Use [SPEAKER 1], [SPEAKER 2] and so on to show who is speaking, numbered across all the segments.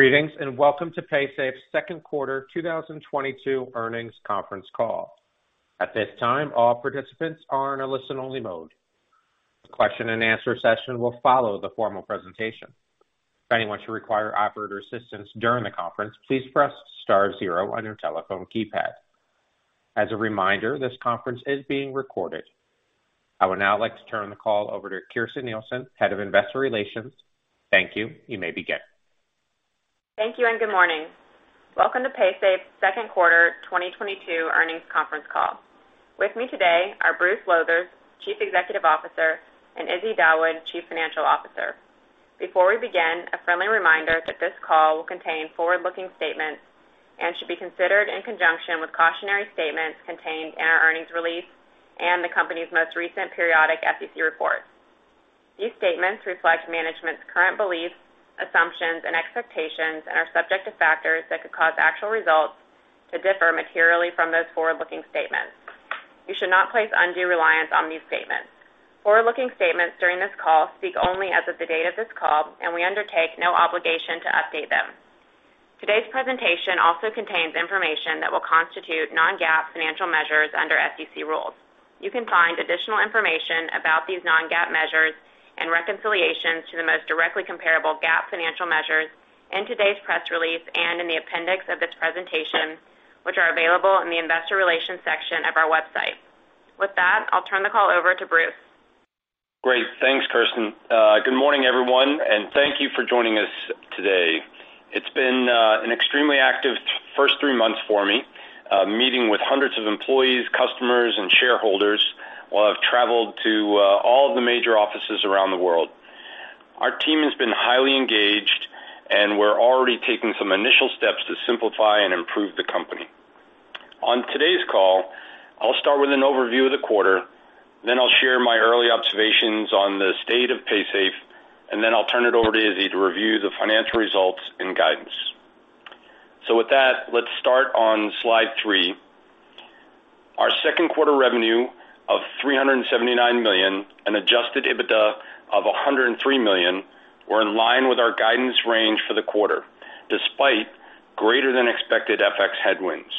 [SPEAKER 1] Greetings, and welcome to Paysafe's second quarter 2022 earnings conference call. At this time, all participants are in a listen-only mode. The Q&A session will follow the formal presentation. If anyone should require operator assistance during the conference, please press star zero on your telephone keypad. As a reminder, this conference is being recorded. I would now like to turn the call over to Kirsten Nielsen, Head of Investor Relations. Thank you. You may begin.
[SPEAKER 2] Thank you, and good morning. Welcome to Paysafe's second quarter 2022 earnings conference call. With me today are Bruce Lowthers, Chief Executive Officer, and Izzy Dawood, Chief Financial Officer. Before we begin, a friendly reminder that this call will contain forward-looking statements and should be considered in conjunction with cautionary statements contained in our earnings release and the company's most recent periodic SEC report. These statements reflect management's current beliefs, assumptions, and expectations and are subject to factors that could cause actual results to differ materially from those forward-looking statements. You should not place undue reliance on these statements. Forward-looking statements during this call speak only as of the date of this call, and we undertake no obligation to update them. Today's presentation also contains information that will constitute non-GAAP financial measures under SEC rules. You can find additional information about these non-GAAP measures and reconciliations to the most directly comparable GAAP financial measures in today's press release and in the appendix of this presentation, which are available in the investor relations section of our website. With that, I'll turn the call over to Bruce.
[SPEAKER 3] Great. Thanks, Kirsten. Good morning, everyone, and thank you for joining us today. It's been an extremely active first three months for me, meeting with hundreds of employees, customers, and shareholders while I've traveled to all the major offices around the world. Our team has been highly engaged, and we're already taking some initial steps to simplify and improve the company. On today's call, I'll start with an overview of the quarter. Then I'll share my early observations on the state of Paysafe, and then I'll turn it over to Izzy to review the financial results and guidance. With that, let's start on slide three. Our second quarter revenue of $379 million and adjusted EBITDA of $103 million were in line with our guidance range for the quarter despite greater than expected FX headwinds.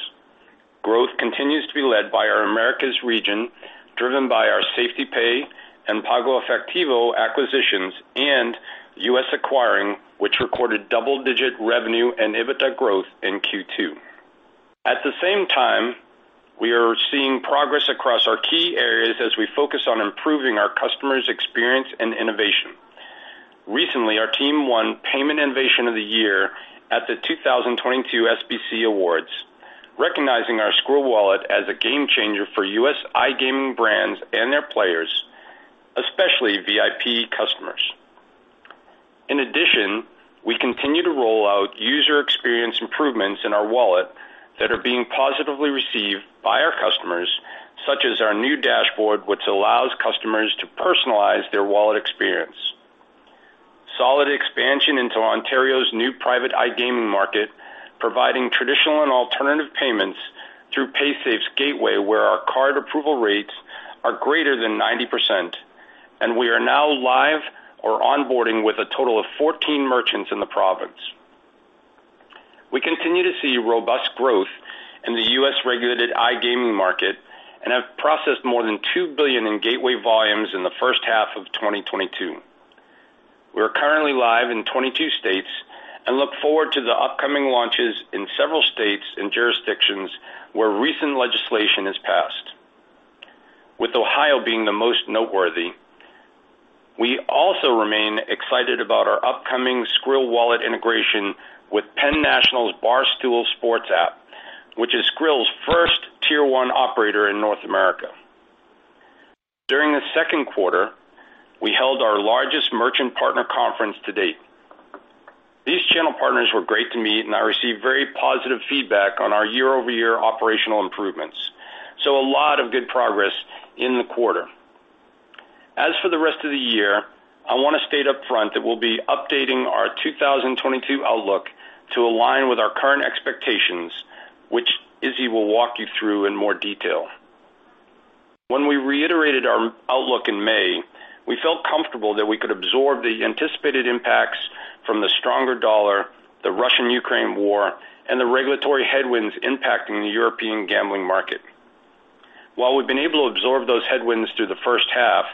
[SPEAKER 3] Growth continues to be led by our Americas region, driven by our SafetyPay and PagoEfectivo acquisitions US Acquiring, which recorded double-digit revenue and EBITDA growth in Q2. At the same time, we are seeing progress across our key areas as we focus on improving our customer's experience and innovation. Recently, our team won Payment Innovation of the Year at the 2022 SBC Awards, recognizing our Skrill wallet as a game changer for U.S. iGaming brands and their players, especially VIP customers. In addition, we continue to roll out user experience improvements in our wallet that are being positively received by our customers, such as our new dashboard, which allows customers to personalize their wallet experience. Solid expansion into Ontario's new private iGaming market, providing traditional and alternative payments through Paysafe's gateway, where our card approval rates are greater than 90%, and we are now live or onboarding with a total of 14 merchants in the province. We continue to see robust growth in the U.S. regulated iGaming market and have processed more than $2 billion in gateway volumes in the first half of 2022. We are currently live in 22 states and look forward to the upcoming launches in several states and jurisdictions where recent legislation has passed, with Ohio being the most noteworthy. We also remain excited about our upcoming Skrill Wallet integration with Penn National's Barstool Sports app, which is Skrill's first tier one operator in North America. During the second quarter, we held our largest merchant partner conference to date. These channel partners were great to meet, and I received very positive feedback on our year-over-year operational improvements, so a lot of good progress in the quarter. As for the rest of the year, I wanna state upfront that we'll be updating our 2022 outlook to align with our current expectations, which Izzy will walk you through in more detail. When we reiterated our outlook in May, we felt comfortable that we could absorb the anticipated impacts from the stronger dollar, the Russian-Ukraine war, and the regulatory headwinds impacting the European gambling market. While we've been able to absorb those headwinds through the first half,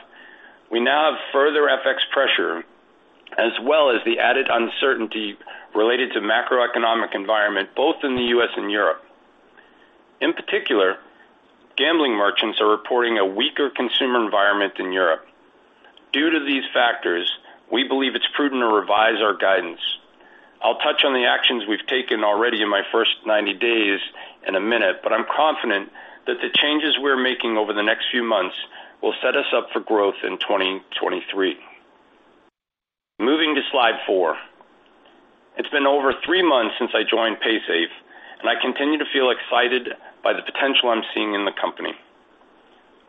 [SPEAKER 3] we now have further FX pressure as well as the added uncertainty related to macroeconomic environment, both in the U.S. and Europe. In particular, gambling merchants are reporting a weaker consumer environment in Europe. Due to these factors, we believe it's prudent to revise our guidance. I'll touch on the actions we've taken already in my first 90 days in a minute, but I'm confident that the changes we're making over the next few months will set us up for growth in 2023. Moving to slide four. It's been over 3 months since I joined Paysafe, and I continue to feel excited by the potential I'm seeing in the company.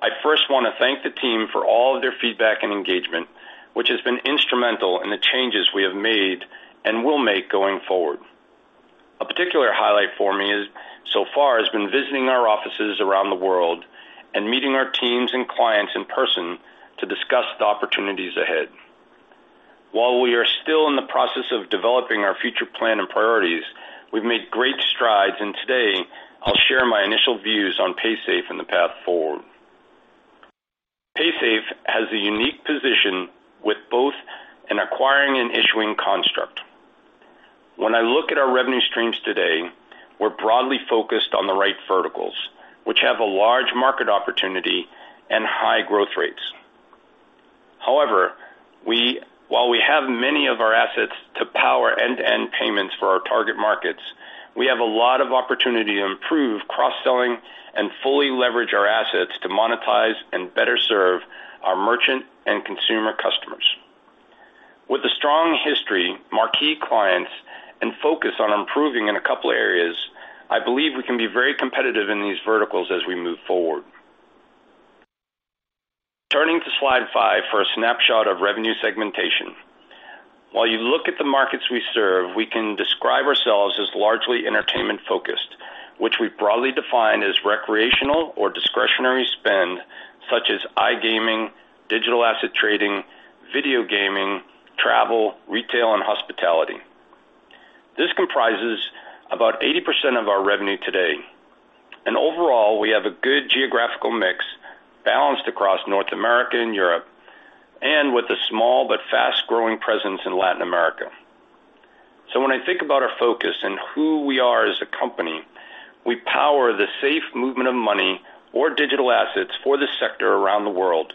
[SPEAKER 3] I first wanna thank the team for all of their feedback and engagement, which has been instrumental in the changes we have made and will make going forward. A particular highlight for me is so far has been visiting our offices around the world and meeting our teams and clients in person to discuss the opportunities ahead. While we are still in the process of developing our future plan and priorities, we've made great strides, and today I'll share my initial views on Paysafe and the path forward. Paysafe has a unique position with both an acquiring and issuing construct. When I look at our revenue streams today, we're broadly focused on the right verticals, which have a large market opportunity and high growth rates. However, while we have many of our assets to power end-to-end payments for our target markets, we have a lot of opportunity to improve cross-selling and fully leverage our assets to monetize and better serve our merchant and consumer customers. With a strong history, marquee clients and focus on improving in a couple areas, I believe we can be very competitive in these verticals as we move forward. Turning to slide five for a snapshot of revenue segmentation. While you look at the markets we serve, we can describe ourselves as largely entertainment-focused, which we broadly define as recreational or discretionary spend such as iGaming, digital asset trading, video gaming, travel, retail, and hospitality. This comprises about 80% of our revenue today, and overall, we have a good geographical mix balanced across North America and Europe, and with a small but fast-growing presence in Latin America. When I think about our focus and who we are as a company, we power the safe movement of money or digital assets for this sector around the world.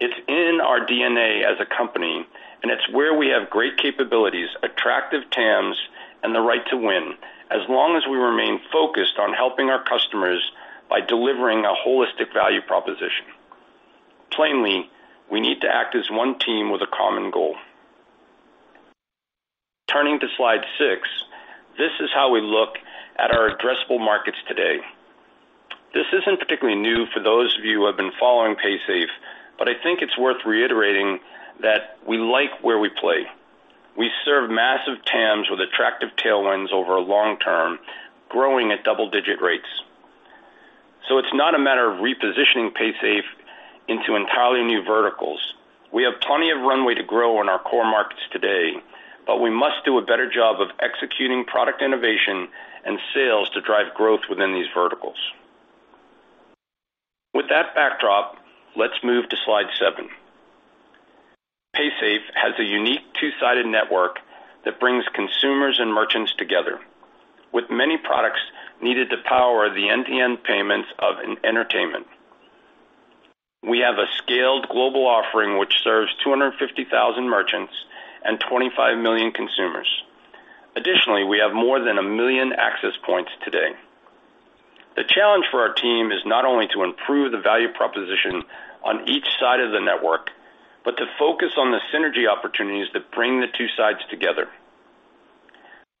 [SPEAKER 3] It's in our DNA as a company, and it's where we have great capabilities, attractive TAMs, and the right to win as long as we remain focused on helping our customers by delivering a holistic value proposition. Plainly, we need to act as one team with a common goal. Turning to slide six. This is how we look at our addressable markets today. This isn't particularly new for those of you who have been following Paysafe, but I think it's worth reiterating that we like where we play. We serve massive TAMs with attractive tailwinds over long-term, growing at double-digit rates. It's not a matter of repositioning Paysafe into entirely new verticals. We have plenty of runway to grow in our core markets today, but we must do a better job of executing product innovation and sales to drive growth within these verticals. With that backdrop, let's move to slide seven. Paysafe has a unique two-sided network that brings consumers and merchants together with many products needed to power the end-to-end payments of entertainment. We have a scaled global offering which serves 250,000 merchants and 25 million consumers. Additionally, we have more than a million access points today. The challenge for our team is not only to improve the value proposition on each side of the network, but to focus on the synergy opportunities that bring the two sides together.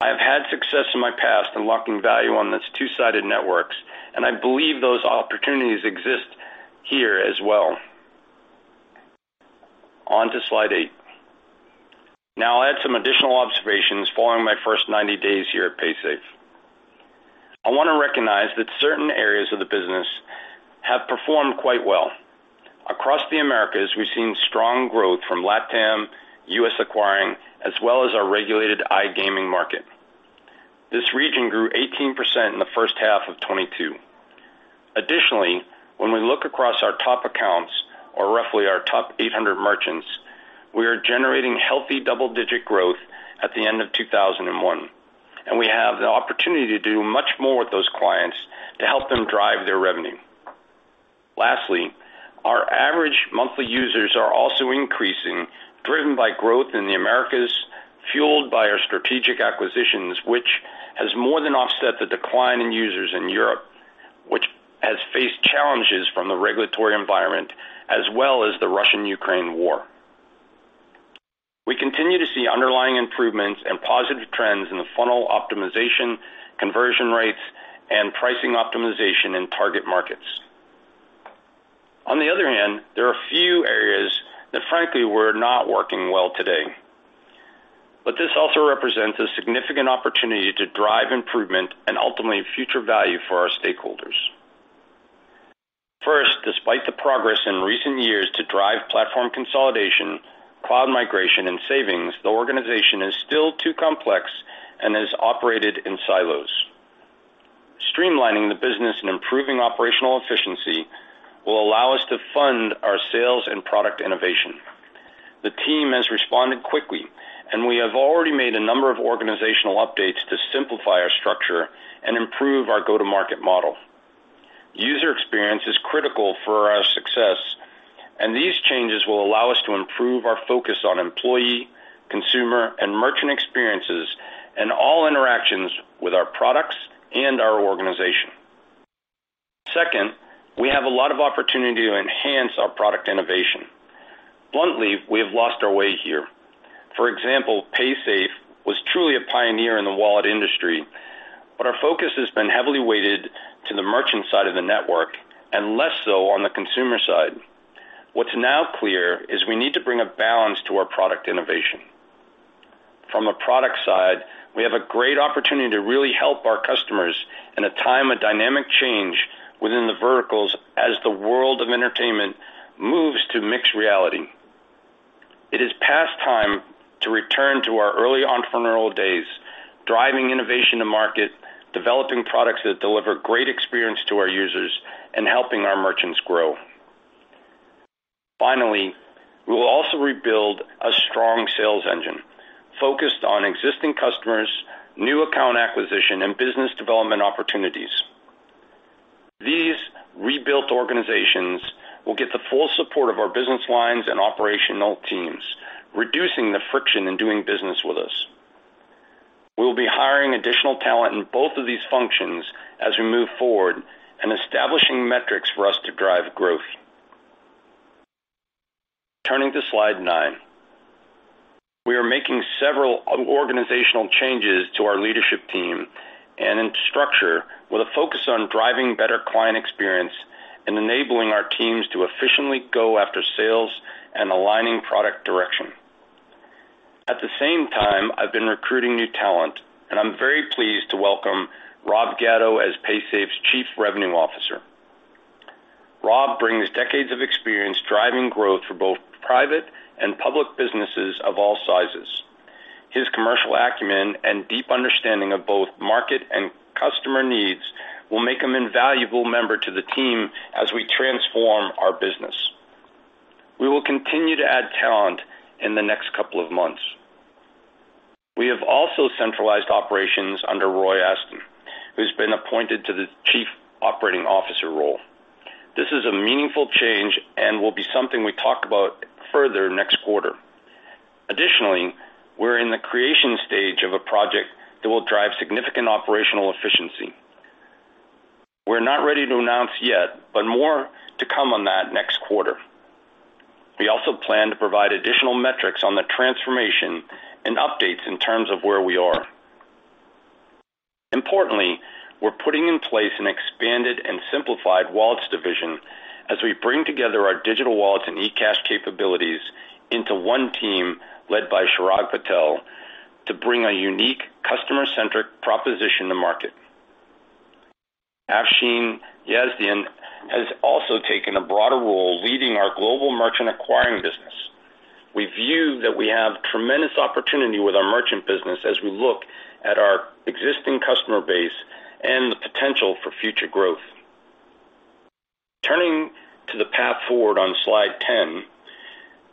[SPEAKER 3] I have had success in my past unlocking value on these two-sided networks, and I believe those opportunities exist here as well. On to slide eight. Now I'll add some additional observations following my first 90 days here at Paysafe. I wanna recognize that certain areas of the business have performed quite well. Across the Americas, we've seen strong growth from US Acquiring, as well as our regulated iGaming market. This region grew 18% in the first half of 2022. Additionally, when we look across our top accounts or roughly our top 800 merchants, we are generating healthy double-digit growth at the end of 2021, and we have the opportunity to do much more with those clients to help them drive their revenue. Lastly, our average monthly users are also increasing, driven by growth in the Americas, fueled by our strategic acquisitions, which has more than offset the decline in users in Europe, which has faced challenges from the regulatory environment as well as the Russian-Ukrainian war. We continue to see underlying improvements and positive trends in the funnel optimization, conversion rates, and pricing optimization in target markets. On the other hand, there are a few areas that frankly were not working well today, but this also represents a significant opportunity to drive improvement and ultimately future value for our stakeholders. First, despite the progress in recent years to drive platform consolidation, cloud migration and savings, the organization is still too complex and is operated in silos. Streamlining the business and improving operational efficiency will allow us to fund our sales and product innovation. The team has responded quickly, and we have already made a number of organizational updates to simplify our structure and improve our go-to-market model. User experience is critical for our success, and these changes will allow us to improve our focus on employee, consumer, and merchant experiences in all interactions with our products and our organization. Second, we have a lot of opportunity to enhance our product innovation. Bluntly, we have lost our way here. For example, Paysafe was truly a pioneer in the wallet industry, but our focus has been heavily weighted to the merchant side of the network and less so on the consumer side. What's now clear is we need to bring a balance to our product innovation. From a product side, we have a great opportunity to really help our customers in a time of dynamic change within the verticals as the world of entertainment moves to mixed reality. It is past time to return to our early entrepreneurial days, driving innovation to market, developing products that deliver great experience to our users, and helping our merchants grow. Finally, we will also rebuild a strong sales engine focused on existing customers, new account acquisition, and business development opportunities. These rebuilt organizations will get the full support of our business lines and operational teams, reducing the friction in doing business with us. We will be hiring additional talent in both of these functions as we move forward and establishing metrics for us to drive growth. Turning to slide nine. We are making several organizational changes to our leadership team and in structure with a focus on driving better client experience and enabling our teams to efficiently go after sales and aligning product direction. At the same time, I've been recruiting new talent, and I'm very pleased to welcome Rob Gatto as Paysafe's Chief Revenue Officer. Rob brings decades of experience driving growth for both private and public businesses of all sizes. His commercial acumen and deep understanding of both market and customer needs will make him invaluable member to the team as we transform our business. We will continue to add talent in the next couple of months. We have also centralized operations under Roy Aston, who's been appointed to the Chief Operating Officer role. This is a meaningful change and will be something we talk about further next quarter. Additionally, we're in the creation stage of a project that will drive significant operational efficiency. We're not ready to announce yet, but more to come on that next quarter. We also plan to provide additional metrics on the transformation and updates in terms of where we are. Importantly, we're putting in place an expanded and simplified wallets division as we bring together our digital wallets and eCash capabilities into one team led by Chirag Patel to bring a unique customer-centric proposition to market. Afshin Yazdian has also taken a broader role leading our global merchant acquiring business. We view that we have tremendous opportunity with our merchant business as we look at our existing customer base and the potential for future growth. Turning to the path forward on slide 10.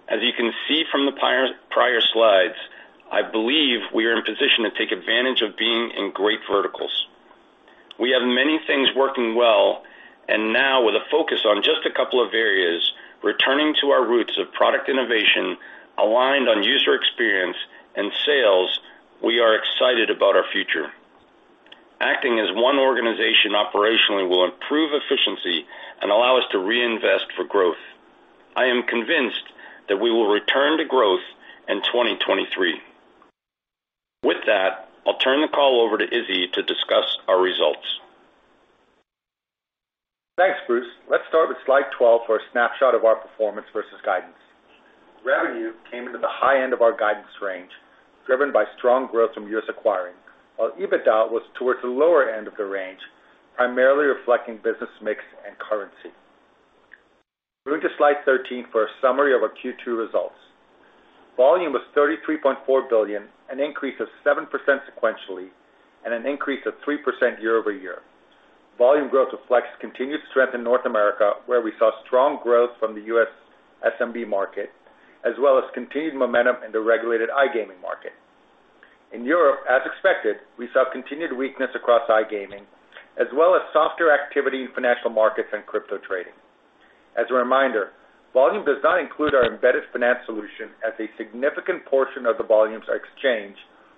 [SPEAKER 3] As you can see from the prior slides, I believe we are in position to take advantage of being in great verticals. We have many things working well, and now with a focus on just a couple of areas, returning to our roots of product innovation, aligned on user experience and sales, we are excited about our future. Acting as one organization operationally will improve efficiency and allow us to reinvest for growth. I am convinced that we will return to growth in 2023. With that, I'll turn the call over to Izzy to discuss our results.
[SPEAKER 4] Thanks, Bruce. Let's start with slide 12 for a snapshot of our performance versus guidance. Revenue came into the high end of our guidance range, driven by strong growth US Acquiring, while EBITDA was towards the lower end of the range, primarily reflecting business mix and currency. Moving to slide 13 for a summary of our Q2 results. Volume was $33.4 billion, an increase of 7% sequentially, and an increase of 3% year-over-year. Volume growth reflects continued strength in North America, where we saw strong growth from the U.S. SMB market, as well as continued momentum in the regulated iGaming market. In Europe, as expected, we saw continued weakness across iGaming, as well as softer activity in financial markets and crypto trading. As a reminder, volume does not include our embedded finance solution as a significant portion of the volumes are exchange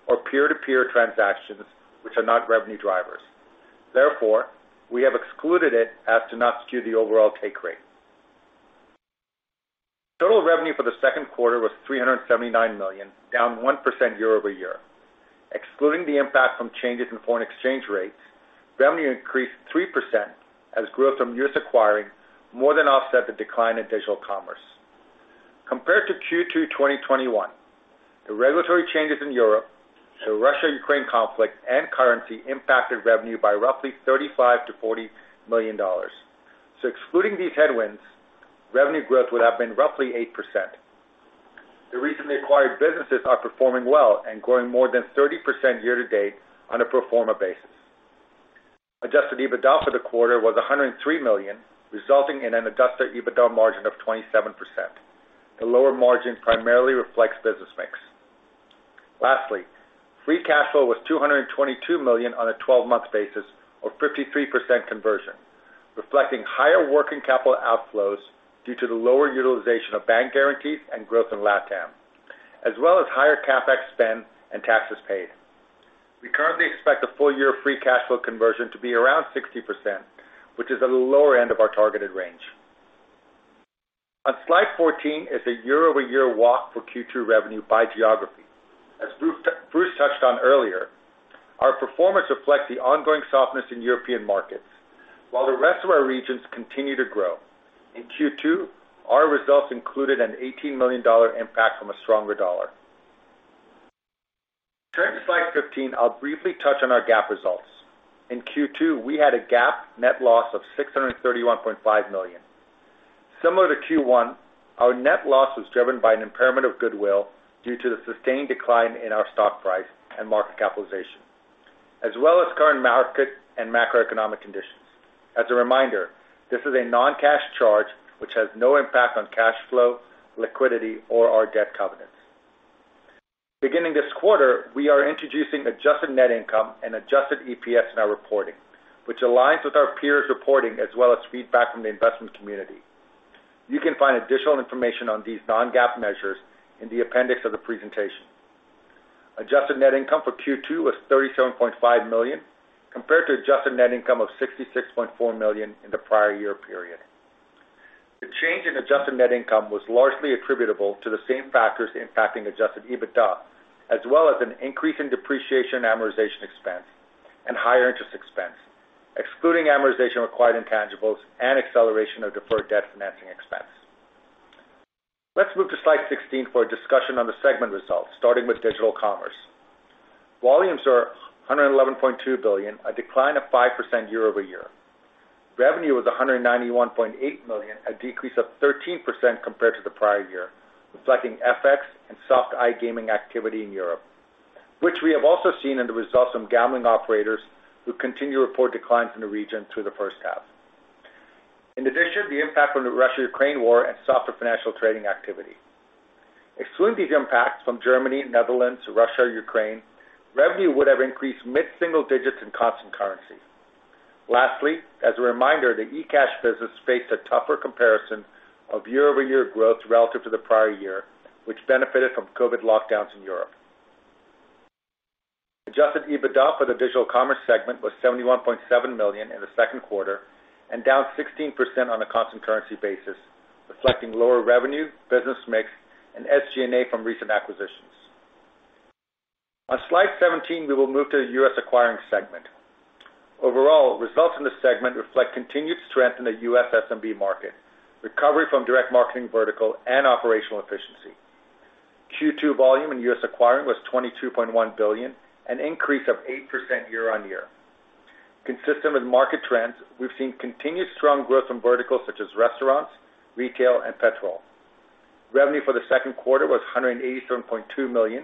[SPEAKER 4] or peer-to-peer transactions which are not revenue drivers. Therefore, we have excluded it as to not skew the overall take rate. Total revenue for the second quarter was $379 million, down 1% year-over-year. Excluding the impact from changes in foreign exchange rates, revenue increased 3% as growth US Acquiring more than offset the decline in digital commerce. Compared to Q2 2021, the regulatory changes in Europe, the Russia-Ukraine conflict, and currency impacted revenue by roughly $35 million-$40 million. Excluding these headwinds, revenue growth would have been roughly 8%. The recently acquired businesses are performing well and growing more than 30% year to date on a pro forma basis. Adjusted EBITDA for the quarter was $103 million, resulting in an adjusted EBITDA margin of 27%. The lower margin primarily reflects business mix. Lastly, free cash flow was $222 million on a 12-month basis, or 53% conversion, reflecting higher working capital outflows due to the lower utilization of bank guarantees and growth in LatAm, as well as higher CapEx spend and taxes paid. We currently expect the full year free cash flow conversion to be around 60%, which is at a lower end of our targeted range. On slide 14 is a year-over-year walk for Q2 revenue by geography. As Bruce touched on earlier, our performance reflects the ongoing softness in European markets, while the rest of our regions continue to grow. In Q2, our results included an $18 million impact from a stronger dollar. Turning to slide 15, I'll briefly touch on our GAAP results. In Q2, we had a GAAP net loss of $631.5 million. Similar to Q1, our net loss was driven by an impairment of goodwill due to the sustained decline in our stock price and market capitalization, as well as current market and macroeconomic conditions. As a reminder, this is a non-cash charge which has no impact on cash flow, liquidity, or our debt covenants. Beginning this quarter, we are introducing adjusted net income and adjusted EPS in our reporting, which aligns with our peers' reporting as well as feedback from the investment community. You can find additional information on these non-GAAP measures in the appendix of the presentation. Adjusted net income for Q2 was $37.5 million, compared to adjusted net income of $66.4 million in the prior year period. The change in adjusted net income was largely attributable to the same factors impacting adjusted EBITDA, as well as an increase in depreciation and amortization expense and higher interest expense, excluding amortization of acquired intangibles and acceleration of deferred debt financing expense. Let's move to slide 16 for a discussion on the segment results, starting with digital commerce. Volumes are $111.2 billion, a decline of 5% year-over-year. Revenue was $191.8 million, a decrease of 13% compared to the prior year, reflecting FX and soft iGaming activity in Europe, which we have also seen in the results from gambling operators who continue to report declines in the region through the first half. In addition, the impact from the Russia-Ukraine war and softer financial trading activity. Excluding these impacts from Germany, Netherlands, Russia, Ukraine, revenue would have increased mid-single digits in constant currency. Lastly, as a reminder, the eCash business faced a tougher comparison of year-over-year growth relative to the prior year, which benefited from COVID lockdowns in Europe. Adjusted EBITDA for the digital commerce segment was $71.7 million in the second quarter and down 16% on a constant currency basis, reflecting lower revenue, business mix, and SG&A from recent acquisitions. On slide 17, we will move to the US Acquiring segment. Overall, results in this segment reflect continued strength in the US SMB market, recovery from direct marketing vertical, and operational efficiency. Q2 volume in US Acquiring was $22.1 billion, an increase of 8% year-on-year. Consistent with market trends, we've seen continued strong growth from verticals such as restaurants, retail, and petrol. Revenue for the second quarter was $187.2 million,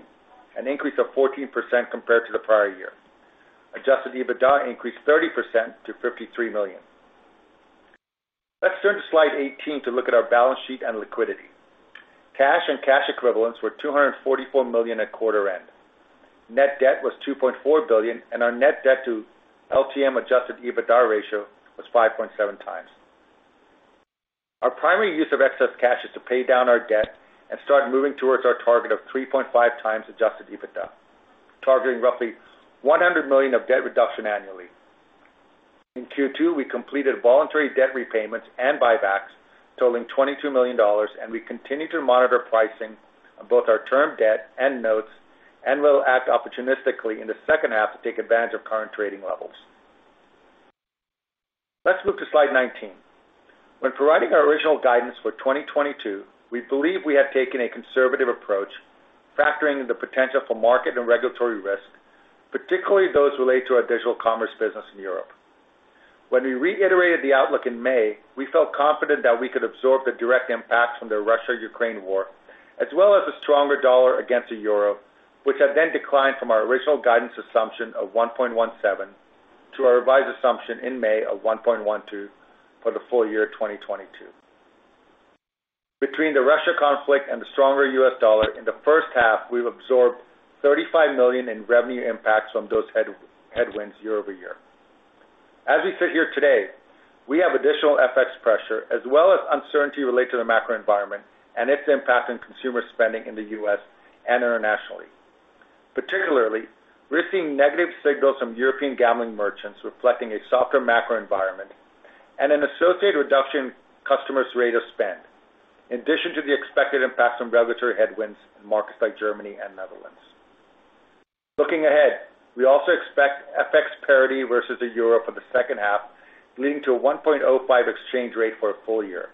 [SPEAKER 4] an increase of 14% compared to the prior year. Adjusted EBITDA increased 30% to $53 million. Let's turn to slide 18 to look at our balance sheet and liquidity. Cash and cash equivalents were $244 million at quarter end. Net debt was $2.4 billion, and our net debt to LTM Adjusted EBITDA ratio was 5.7x. Our primary use of excess cash is to pay down our debt and start moving towards our target of 3.5x adjusted EBITDA, targeting roughly $100 million of debt reduction annually. In Q2, we completed voluntary debt repayments and buybacks totaling $22 million, and we continue to monitor pricing on both our term debt and notes and will act opportunistically in the second half to take advantage of current trading levels. Let's move to slide 19. When providing our original guidance for 2022, we believe we have taken a conservative approach, factoring the potential for market and regulatory risk, particularly those related to our digital commerce business in Europe. When we reiterated the outlook in May, we felt confident that we could absorb the direct impacts from the Russia-Ukraine war, as well as a stronger dollar against the euro, which had then declined from our original guidance assumption of 1.17 to our revised assumption in May of 1.12 for the full year 2022. Between the Russia conflict and the stronger U.S. dollar, in the first half, we've absorbed $35 million in revenue impacts from those headwinds year-over-year. As we sit here today, we have additional FX pressure as well as uncertainty related to the macro environment and its impact on consumer spending in the U.S. and internationally. Particularly, we're seeing negative signals from European gambling merchants reflecting a softer macro environment and an associated reduction in customers' rate of spend, in addition to the expected impact from regulatory headwinds in markets like Germany and the Netherlands. Looking ahead, we also expect FX parity versus the euro for the second half, leading to a 1.05 exchange rate for a full year,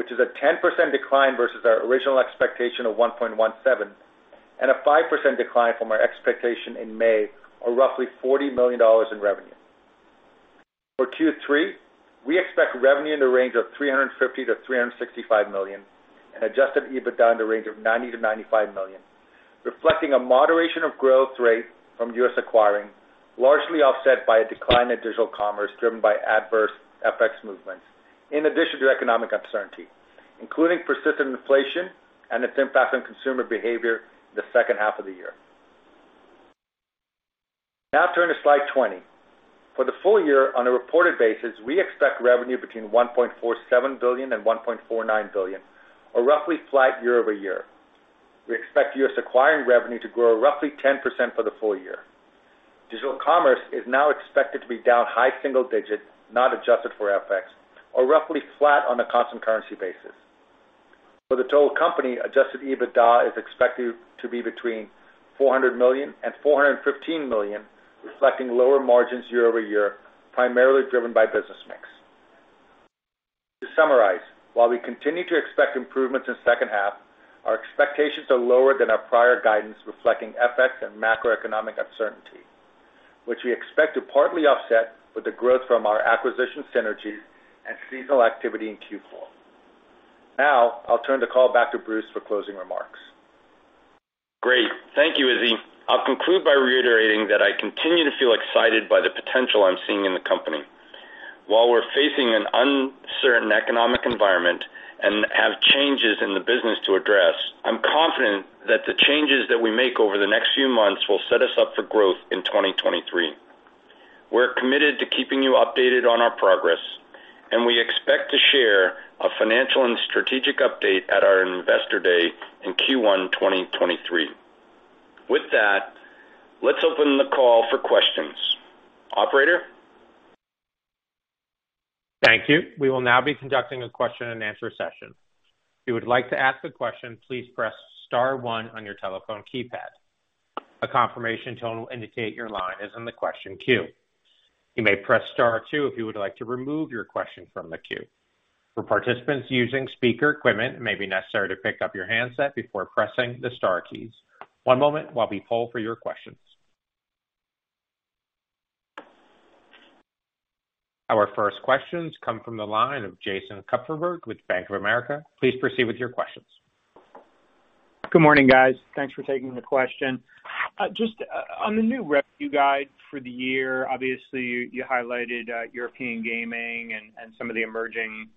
[SPEAKER 4] which is a 10% decline versus our original expectation of 1.17, and a 5% decline from our expectation in May of roughly $40 million in revenue. For Q3, we expect revenue in the range of $350 million-$365 million and adjusted EBITDA in the range of $90 million-$95 million, reflecting a moderation of growth rate US Acquiring, largely offset by a decline in digital commerce driven by adverse FX movements, in addition to economic uncertainty, including persistent inflation and its impact on consumer behavior in the second half of the year. Now turn to slide 20. For the full year, on a reported basis, we expect revenue between $1.47 billion and $1.49 billion, or roughly flat year-over-year. We expect US Acquiring revenue to grow roughly 10% for the full year. Digital commerce is now expected to be down high single digit, not adjusted for FX, or roughly flat on a constant currency basis. For the total company, adjusted EBITDA is expected to be between $400 million and $415 million, reflecting lower margins year-over-year, primarily driven by business mix. To summarize, while we continue to expect improvements in second half, our expectations are lower than our prior guidance, reflecting FX and macroeconomic uncertainty, which we expect to partly offset with the growth from our acquisition synergies and seasonal activity in Q4. Now, I'll turn the call back to Bruce for closing remarks.
[SPEAKER 3] Great. Thank you, Izzy. I'll conclude by reiterating that I continue to feel excited by the potential I'm seeing in the company. While we're facing an uncertain economic environment and have changes in the business to address, I'm confident that the changes that we make over the next few months will set us up for growth in 2023. We're committed to keeping you updated on our progress, and we expect to share a financial and strategic update at our Investor Day in Q1 2023. With that, let's open the call for questions. Operator?
[SPEAKER 1] Thank you. We will now be conducting a Q&A session. If you would like to ask a question, please press star one on your telephone keypad. A confirmation tone will indicate your line is in the question queue. You may press star two if you would like to remove your question from the queue. For participants using speaker equipment, it may be necessary to pick up your handset before pressing the star keys. One moment while we poll for your questions. Our first questions come from the line of Jason Kupferberg with Bank of America. Please proceed with your questions.
[SPEAKER 5] Good morning, guys. Thanks for taking the question. Just on the new revenue guide for the year, obviously you highlighted European gaming and some of the emerging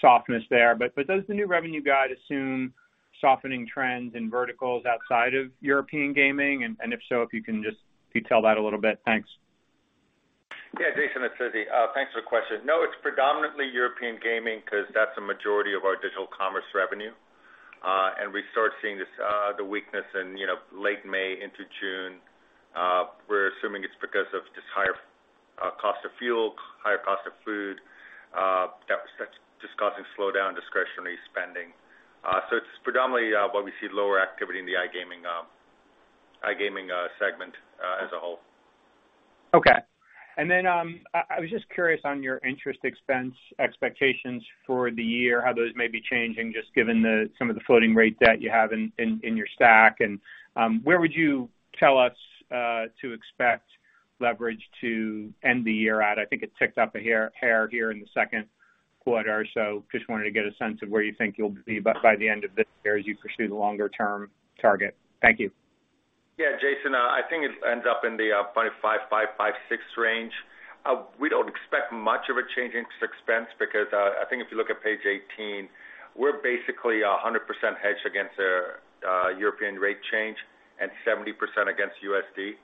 [SPEAKER 5] softness there. Does the new revenue guide assume softening trends in verticals outside of European gaming? If so, if you can just detail that a little bit. Thanks.
[SPEAKER 4] Yeah. Jason, it's Izzy. Thanks for the question. No, it's predominantly European gaming because that's the majority of our digital commerce revenue. We start seeing this, the weakness in, you know, late May into June. We're assuming it's because of just higher cost of fuel, higher cost of food, that's just causing slowdown discretionary spending. It's predominantly where we see lower activity in the iGaming segment as a whole.
[SPEAKER 5] Okay. I was just curious on your interest expense expectations for the year, how those may be changing, just given some of the floating rate debt you have in your stack. Where would you tell us to expect leverage to end the year at? I think it ticked up a hair here in the second quarter. Just wanted to get a sense of where you think you'll be by the end of this year as you pursue the longer term target. Thank you.
[SPEAKER 4] Yeah, Jason, I think it ends up in the 25.5-56 range. We don't expect much of a change in expense because I think if you look at page 18, we're basically 100% hedged against a European rate change and 70% against USD.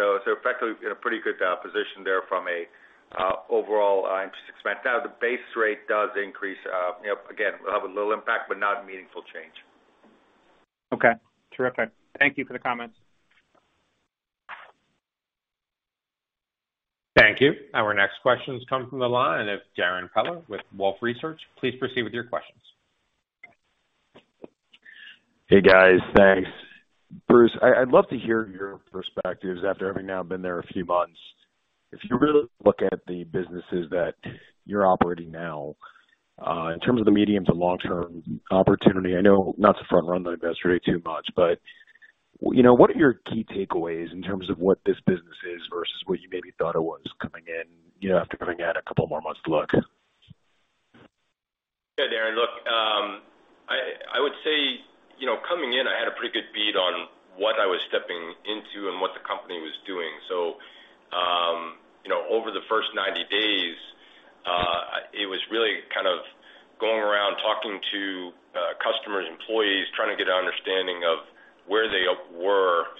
[SPEAKER 4] Effectively in a pretty good position there from a overall interest expense. Now, the base rate does increase, you know, again, we'll have a little impact but not a meaningful change.
[SPEAKER 5] Okay. Terrific. Thank you for the comments.
[SPEAKER 1] Thank you. Our next questions come from the line of Darrin Peller with Wolfe Research. Please proceed with your questions.
[SPEAKER 6] Hey, guys. Thanks. Bruce, I'd love to hear your perspectives after having now been there a few months. If you really look at the businesses that you're operating now, in terms of the medium to long-term opportunity, I know not to front run the Investor Day too much, but, you know, what are your key takeaways in terms of what this business is versus what you maybe thought it was coming in, you know, after having a couple more months to look?
[SPEAKER 3] Yeah, Darrin, look, I would say, you know, coming in I had a pretty good bead on what I was stepping into and what the company was doing. You know, over the first 90 days, it was really kind of going around talking to customers, employees, trying to get an understanding of where they were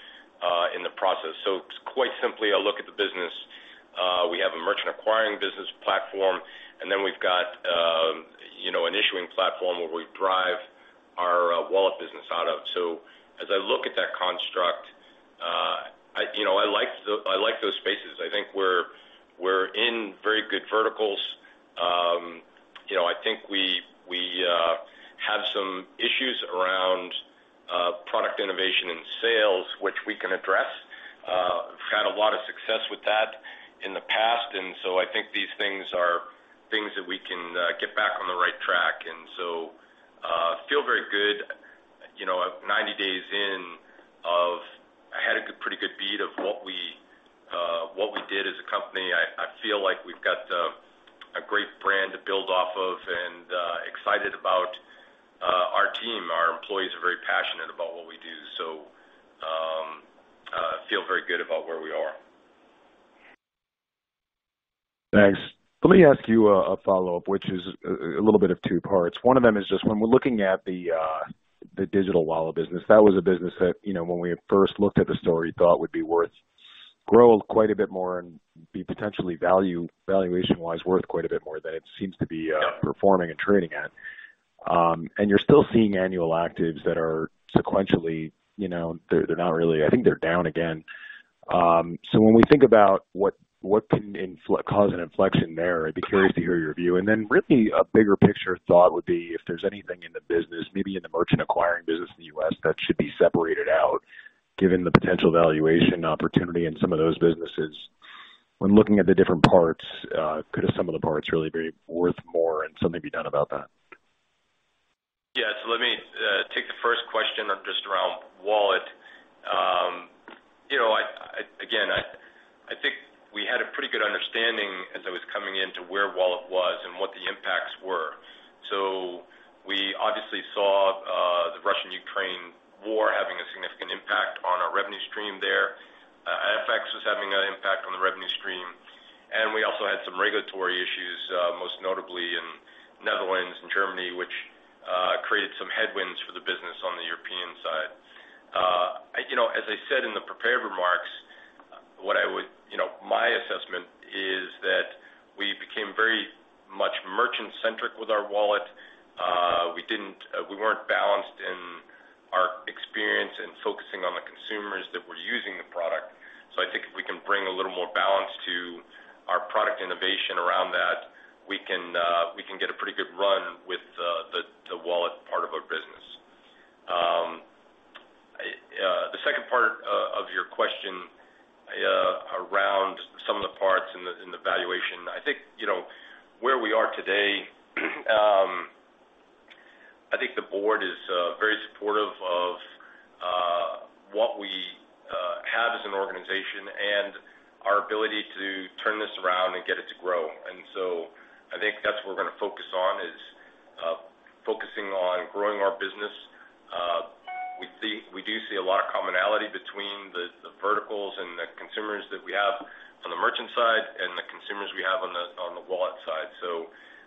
[SPEAKER 3] in the process. It's quite simply a look at the business. We have a merchant acquiring business platform, and then we've got, you know, an issuing platform where we drive our wallet business out of. As I look at that construct, I, you know, I like those spaces. I think we're in very good verticals. You know, I think we have some issues around product innovation and sales, which we can address. We've had a lot of success with that in the past, and so I think these things that we can get back on the right track. Feel very good. You know, 90 days in, I had a good, pretty good bead of what we did as a company. I feel like we've got a great brand to build off of and excited about our team. Our employees are very passionate about what we do, feel very good about where we are.
[SPEAKER 6] Thanks. Let me ask you a follow-up, which is a little bit of two parts. One of them is just when we're looking at the digital wallet business, that was a business that, you know, when we first looked at the story, thought would be worth, grow quite a bit more and be potentially valuation-wise worth quite a bit more than it seems to be performing and trading at. You're still seeing annual actives that are sequentially, you know, they're not really. I think they're down again. So when we think about what can cause an inflection there, I'd be curious to hear your view. Then really a bigger picture thought would be if there's anything in the business, maybe in the merchant acquiring business in the U.S. that should be separated out, given the potential valuation opportunity in some of those businesses. When looking at the different parts, could have some of the parts really be worth more and something be done about that.
[SPEAKER 3] Yeah. Let me take the first question just around wallet. You know, I again think we had a pretty good understanding as I was coming in to where wallet was and what the impacts were. We obviously saw the Russian-Ukraine war having a significant impact on our revenue stream there. FX was having an impact on the revenue stream, and we also had some regulatory issues, most notably in Netherlands and Germany, which created some headwinds for the business on the European side. You know, as I said in the prepared remarks. You know, my assessment is that we became very much merchant-centric with our wallet. We weren't balanced in our experience in focusing on the consumers that were using the product. I think if we can bring a little more balance to our product innovation around that, we can get a pretty good run with the wallet part of our business. The second part of your question around some of the parts and the valuation, I think, you know, where we are today, I think the board is very supportive of what we have as an organization and our ability to turn this around and get it to grow. I think that's what we're gonna focus on is focusing on growing our business. We do see a lot of commonality between the verticals and the consumers that we have on the merchant side and the consumers we have on the wallet side.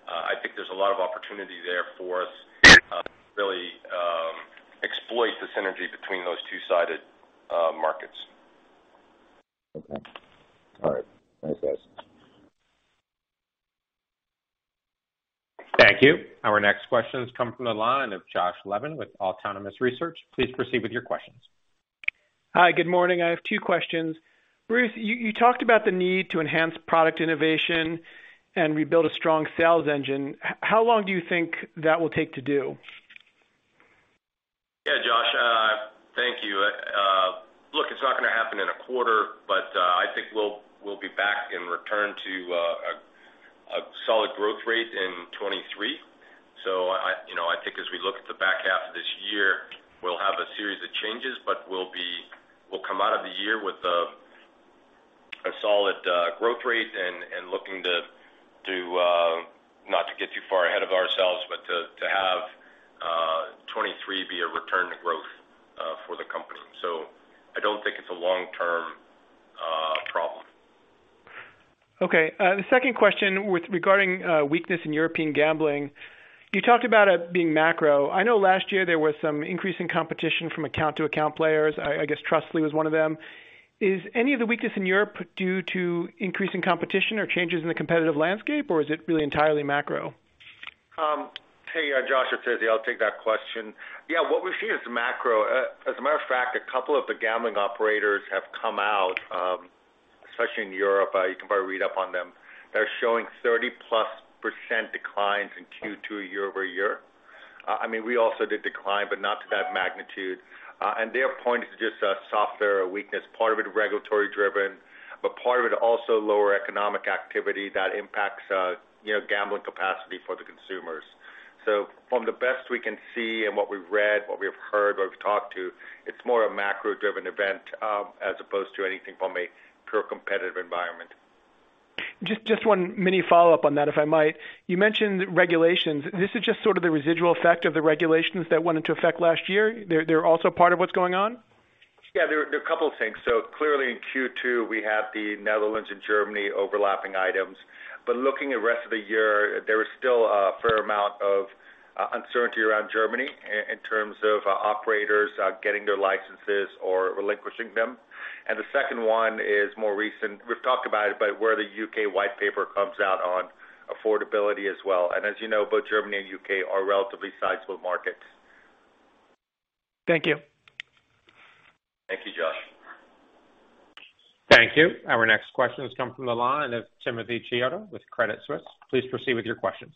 [SPEAKER 3] I think there's a lot of opportunity there for us to really exploit the synergy between those two-sided markets.
[SPEAKER 6] Okay. All right. Thanks, guys.
[SPEAKER 1] Thank you. Our next question comes from the line of Josh Levin with Autonomous Research. Please proceed with your questions.
[SPEAKER 7] Hi, good morning. I have two questions. Bruce, you talked about the need to enhance product innovation and rebuild a strong sales engine. How long do you think that will take to do?
[SPEAKER 3] Yeah, Josh, thank you. Look, it's not gonna happen in a quarter, but I think we'll be back in return to a solid growth rate in 2023. I, you know, I think as we look at the back half of this year, we'll have a series of changes, but we'll come out of the year with a solid growth rate and looking to not get too far ahead of ourselves, but to have 2023 be a return to growth for the company. I don't think it's a long-term problem.
[SPEAKER 7] Okay. The second question regarding weakness in European gambling, you talked about it being macro. I know last year there was some increasing competition from account-to-account players. I guess Trustly was one of them. Is any of the weakness in Europe due to increasing competition or changes in the competitive landscape, or is it really entirely macro?
[SPEAKER 4] Hey, Josh, it's Izzy. I'll take that question. Yeah. What we've seen is macro. As a matter of fact, a couple of the gambling operators have come out, especially in Europe, you can probably read up on them. They're showing 30%+ declines in Q2 year-over-year. I mean, we also did decline, but not to that magnitude. Their point is just a softer weakness, part of it regulatory driven, but part of it also lower economic activity that impacts, you know, gambling capacity for the consumers. From the best we can see and what we've read, what we've heard, what we've talked to, it's more a macro-driven event, as opposed to anything from a pure competitive environment.
[SPEAKER 7] Just one mini follow-up on that, if I might. You mentioned regulations. This is just sort of the residual effect of the regulations that went into effect last year. They're also part of what's going on?
[SPEAKER 4] Yeah. There are a couple things. Clearly in Q2, we have the Netherlands and Germany overlapping items. Looking at rest of the year, there is still a fair amount of uncertainty around Germany in terms of operators getting their licenses or relinquishing them. The second one is more recent. We've talked about it, but where the U.K. white paper comes out on affordability as well. As you know, both Germany and U.K. are relatively sizable markets.
[SPEAKER 7] Thank you.
[SPEAKER 4] Thank you, Josh.
[SPEAKER 1] Thank you. Our next question comes from the line of Timothy Chiodo with Credit Suisse. Please proceed with your questions.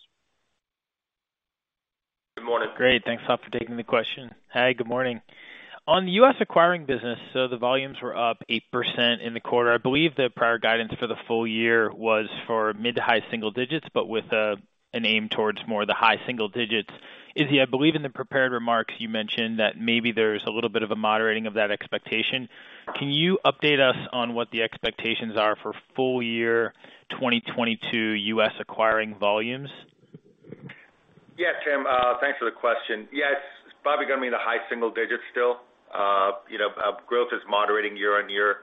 [SPEAKER 8] Great. Thanks a lot for taking the question. Hey, good morning. On US Acquiring business, the volumes were up 8% in the quarter. I believe the prior guidance for the full year was for mid- to high-single digits, but with an aim towards more the high single digits. Izzy, I believe in the prepared remarks you mentioned that maybe there's a little bit of a moderating of that expectation. Can you update us on what the expectations are for full year 2022 US Acquiring volumes?
[SPEAKER 4] Yeah, Tim. Thanks for the question. Yes, it's probably gonna be in the high single digits still. You know, growth is moderating year-on-year.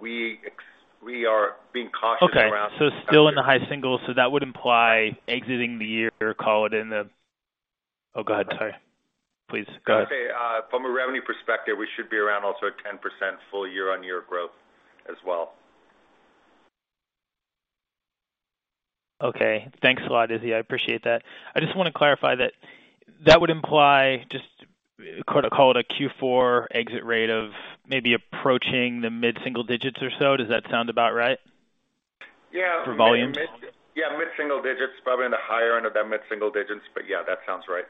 [SPEAKER 4] We are being cautious around-
[SPEAKER 8] Okay. Still in the high singles. That would imply exiting the year, call it in the. Oh, go ahead, sorry. Please go ahead.
[SPEAKER 4] Okay. From a revenue perspective, we should be around also at 10% full-year year-on-year growth as well.
[SPEAKER 8] Okay. Thanks a lot, Izzy. I appreciate that. I just wanna clarify that that would imply just, call it a Q4 exit rate of maybe approaching the mid-single digits or so. Does that sound about right?
[SPEAKER 4] Yeah.
[SPEAKER 8] For volume.
[SPEAKER 4] Yeah, mid-single digits, probably in the higher end of that mid-single digits, but yeah, that sounds right.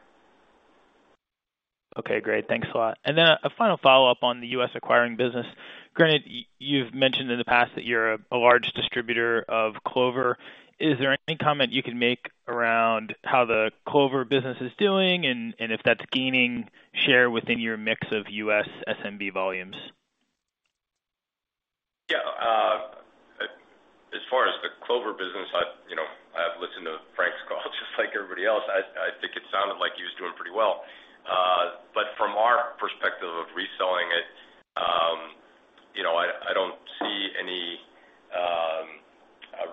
[SPEAKER 8] Okay, great. Thanks a lot. Then a final follow-up on US Acquiring business. Granted, you've mentioned in the past that you're a large distributor of Clover. Is there any comment you can make around how the Clover business is doing and if that's gaining share within your mix of U.S. SMB volumes?
[SPEAKER 4] Yeah. As far as the Clover business, you know, I've listened to Frank's call just like everybody else. I think it sounded like he was doing pretty well. But from our perspective of reselling it, you know, I don't see any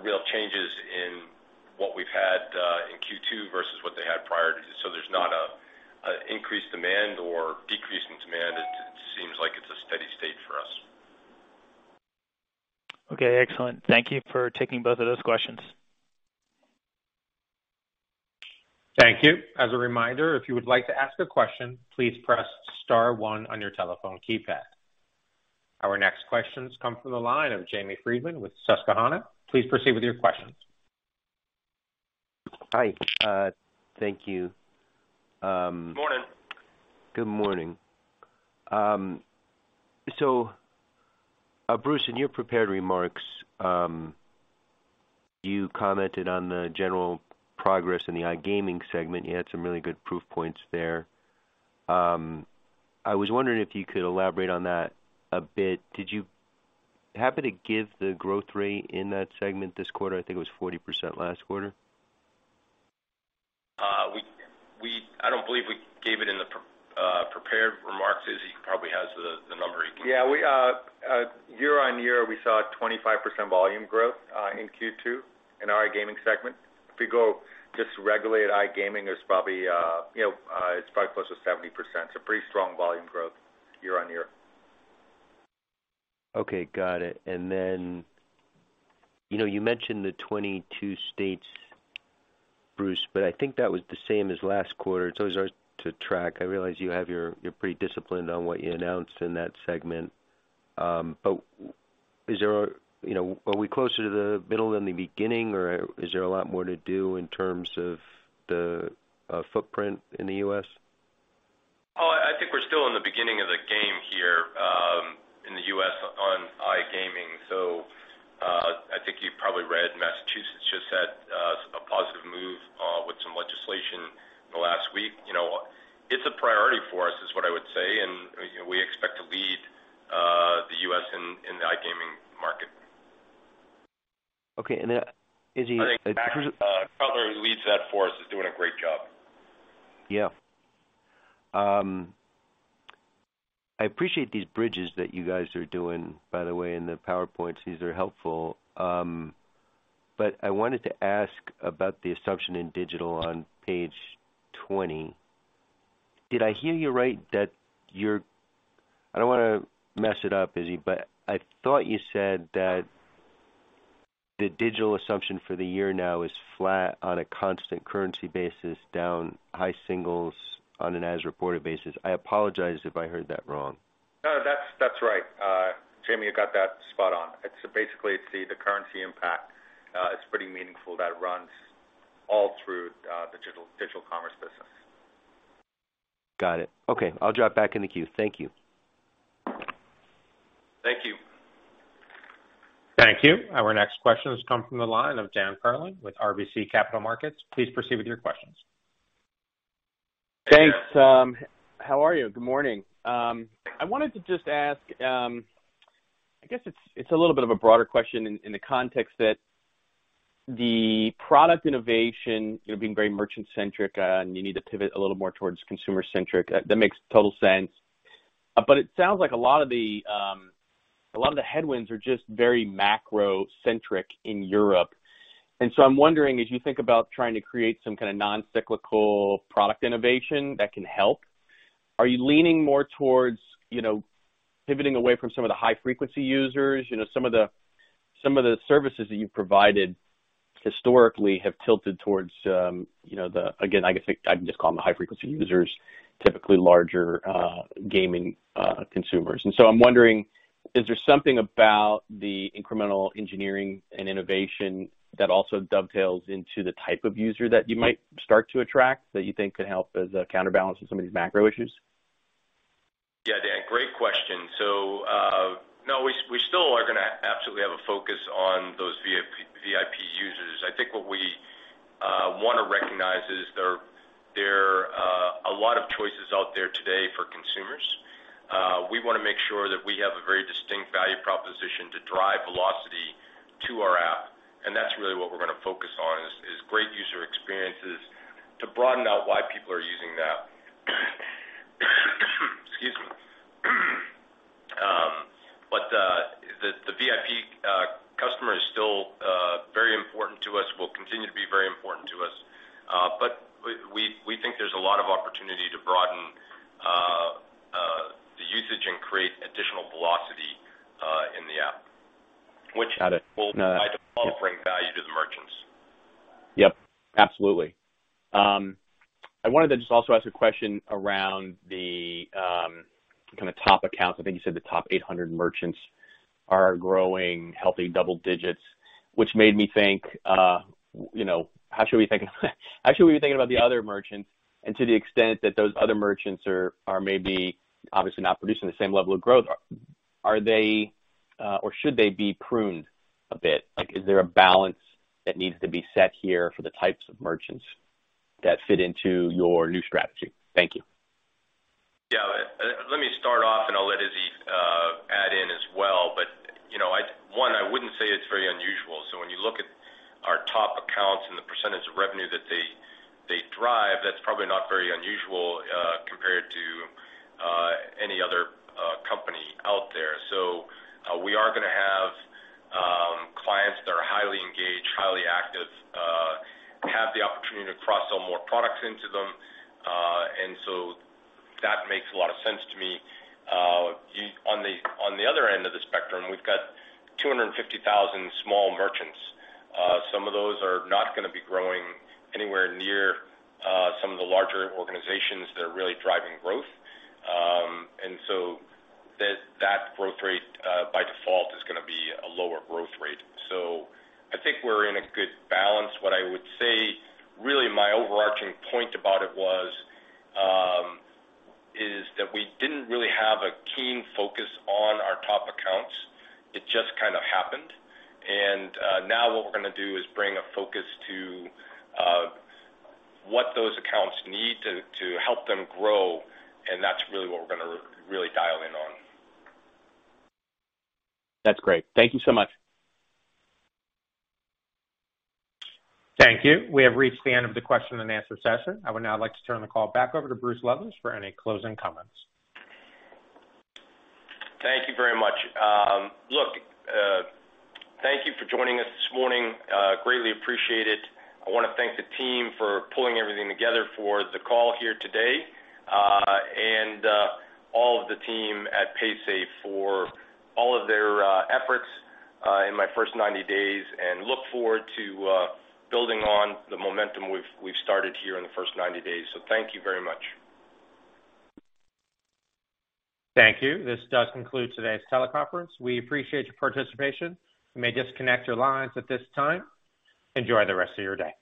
[SPEAKER 4] real changes in what we've had in Q2 versus what they had prior to. There's not an increased demand or decrease in demand. It seems like it's a steady state for us.
[SPEAKER 8] Okay, excellent. Thank you for taking both of those questions.
[SPEAKER 1] Thank you. As a reminder, if you would like to ask a question, please press star one on your telephone keypad. Our next questions come from the line of Jamie Friedman with Susquehanna. Please proceed with your questions.
[SPEAKER 9] Hi, thank you.
[SPEAKER 4] Morning.
[SPEAKER 9] Good morning. Bruce, in your prepared remarks, you commented on the general progress in the iGaming segment. You had some really good proof points there. I was wondering if you could elaborate on that a bit. Did you happen to give the growth rate in that segment this quarter? I think it was 40% last quarter.
[SPEAKER 3] I don't believe we gave it in the prepared remarks. Izzy probably has the number.
[SPEAKER 4] Yeah, year-on-year, we saw a 25% volume growth in Q2 in our iGaming segment. If we go just regulated iGaming, there's probably, you know, it's probably closer to 70%. Pretty strong volume growth year-on-year.
[SPEAKER 9] Okay, got it. You know, you mentioned the 22 states, Bruce, but I think that was the same as last quarter. It's always hard to track. I realize you're pretty disciplined on what you announced in that segment. You know, are we closer to the middle than the beginning, or is there a lot more to do in terms of the footprint in the U.S.?
[SPEAKER 3] I think we're still in the beginning of the game here in the U.S. on iGaming. I think you've probably read Massachusetts just had a positive move with some legislation in the last week. You know, it's a priority for us, is what I would say, and we expect to lead the U.S. in the iGaming market.
[SPEAKER 9] Okay. Izzy-
[SPEAKER 3] I think Cutler, who leads that for us, is doing a great job.
[SPEAKER 9] Yeah. I appreciate these bridges that you guys are doing, by the way, and the PowerPoints. These are helpful. I wanted to ask about the assumption in digital on page 20. Did I hear you right? I don't wanna mess it up, Izzy, but I thought you said that the digital assumption for the year now is flat on a constant currency basis, down high singles on an as-reported basis. I apologize if I heard that wrong.
[SPEAKER 4] No. That's right. Jamie, you got that spot on. It's basically the currency impact. It's pretty meaningful that it runs all through digital commerce business.
[SPEAKER 9] Got it. Okay, I'll drop back in the queue. Thank you.
[SPEAKER 3] Thank you.
[SPEAKER 1] Thank you. Our next question has come from the line of Dan Perlin with RBC Capital Markets. Please proceed with your questions.
[SPEAKER 10] Thanks. How are you? Good morning. I wanted to just ask, I guess it's a little bit of a broader question in the context that the product innovation, you know, being very merchant-centric, and you need to pivot a little more towards consumer-centric, that makes total sense. It sounds like a lot of the headwinds are just very macro-centric in Europe. I'm wondering, as you think about trying to create some kinda non-cyclical product innovation that can help, are you leaning more towards, you know, pivoting away from some of the high frequency users? You know, some of the services that you've provided historically have tilted towards, you know, again, I guess, I can just call them the high frequency users, typically larger gaming consumers. I'm wondering, is there something about the incremental engineering and innovation that also dovetails into the type of user that you might start to attract, that you think could help as a counterbalance to some of these macro issues?
[SPEAKER 3] Yeah. Dan, great question. No, we still are gonna absolutely have a focus on those VIP users. I think what we wanna recognize is there are a lot of choices out there today for consumers. We wanna make sure that we have a very distinct value proposition to drive velocity to our app, and that's really what we're gonna focus on, is great user experiences to broaden out why people are using the app. Excuse me. But the VIP customer is still very important to us. Will continue to be very important to us. But we think there's a lot of opportunity to broaden additional velocity in the app.
[SPEAKER 10] Got it.
[SPEAKER 3] will by default bring value to the merchants.
[SPEAKER 10] Yep, absolutely. I wanted to just also ask a question around the kinda top accounts. I think you said the top 800 merchants are growing healthy double digits, which made me think, you know, how should we be thinking about the other merchants? To the extent that those other merchants are maybe obviously not producing the same level of growth, are they or should they be pruned a bit? Like, is there a balance that needs to be set here for the types of merchants that fit into your new strategy? Thank you.
[SPEAKER 3] Yeah. Let me start off, and I'll let Izzy add in as well. You know, I wouldn't say it's very unusual. When you look at our top accounts and the percentage of revenue that they drive, that's probably not very unusual, compared to any other company out there. We are gonna have clients that are highly engaged, highly active, have the opportunity to cross-sell more products into them. And so that makes a lot of sense to me. On the other end of the spectrum, we've got 250,000 small merchants. Some of those are not gonna be growing anywhere near some of the larger organizations that are really driving growth. That growth rate by default is gonna be a lower growth rate. I think we're in a good balance. What I would say, really my overarching point about it was, is that we didn't really have a keen focus on our top accounts. It just kinda happened. Now what we're gonna do is bring a focus to what those accounts need to help them grow, and that's really what we're gonna really dial in on.
[SPEAKER 10] That's great. Thank you so much.
[SPEAKER 1] Thank you. We have reached the end of the Q&A session. I would now like to turn the call back over to Bruce Lowthers for any closing comments.
[SPEAKER 3] Thank you very much. Look, thank you for joining us this morning. Greatly appreciate it. I wanna thank the team for pulling everything together for the call here today, and all of the team at Paysafe for all of their efforts in my first 90 days, and look forward to building on the momentum we've started here in the first 90 days. Thank you very much.
[SPEAKER 1] Thank you. This does conclude today's teleconference. We appreciate your participation. You may disconnect your lines at this time. Enjoy the rest of your day.